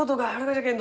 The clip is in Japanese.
じゃけんど